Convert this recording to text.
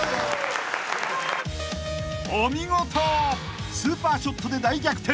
［お見事スーパーショットで大逆転］